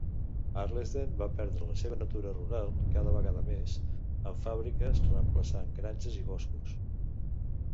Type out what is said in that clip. Harlesden va perdre la seva natura rural cada vegada més, amb fàbriques reemplaçant granges i boscos.